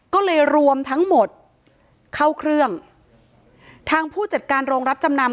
ก็เลยรวมทั้งหมดเข้าเครื่องทางผู้จัดการโรงรับจำนำ